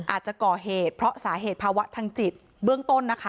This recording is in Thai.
อาจจะก่อเหตุเพราะสาเหตุภาวะทางจิตเบื้องต้นนะคะ